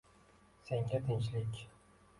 Senga tinchlik